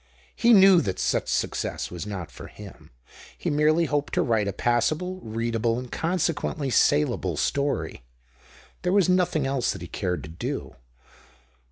He knew that such success was not for him ; he merely hoped to write a passable, readable, and consequently salable story. There was nothing else that he cared to do.